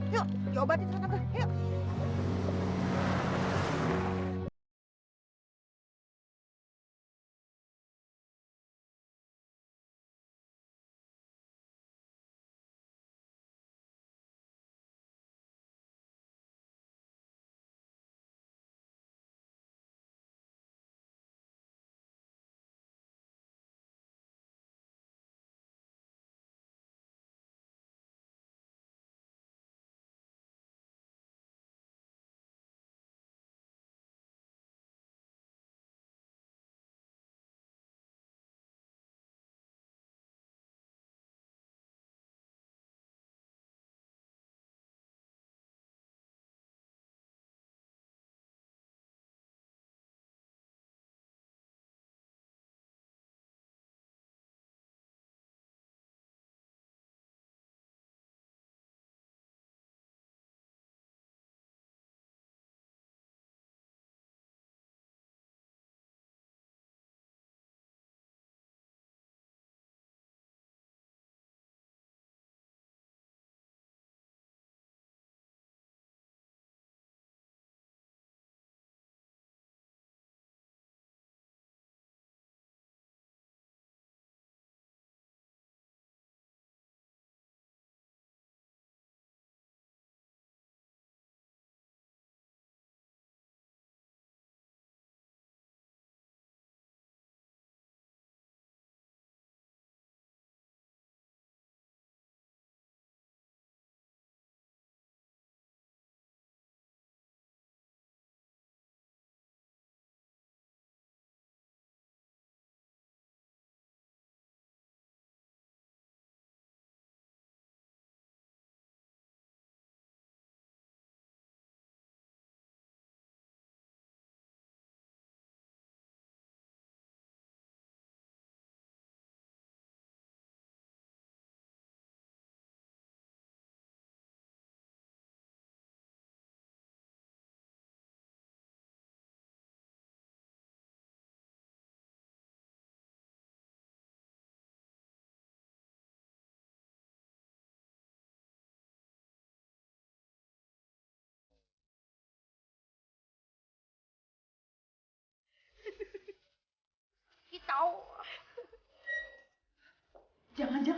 yuk coba di terbangin